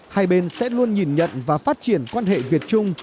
hai bên sẽ luôn nhìn nhận và phát triển quan hệ việt trung